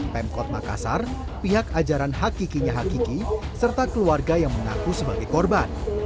pemkot makassar pihak ajaran hakikinya hakiki serta keluarga yang mengaku sebagai korban